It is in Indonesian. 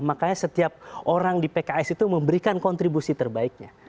makanya setiap orang di pks itu memberikan kontribusi terbaiknya